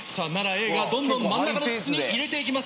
どんどん真ん中の筒に入れていきます。